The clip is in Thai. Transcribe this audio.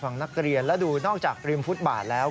นักเรียนแล้วดูนอกจากริมฟุตบาทแล้ว